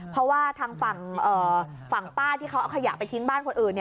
เพราะว่าทางฝั่งป้าที่เขาเอาขยะไปทิ้งบ้านคนอื่น